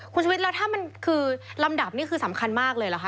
คุณชุวิตแล้วถ้ามันคือลำดับนี่คือสำคัญมากเลยเหรอคะ